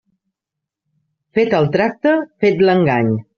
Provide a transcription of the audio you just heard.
Fet el tracte, fet l'engany.